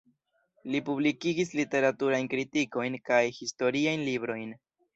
Li publikigis literaturajn kritikojn kaj historiajn librojn.